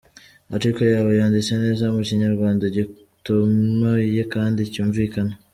Article yawe yanditse neza mu Kinyarwanda gitomoye kandi cyumvikana.